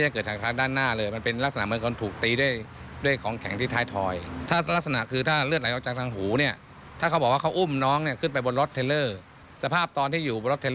ข้าบตอนที่อยู่บนรถเทลเลอร์เนี่ย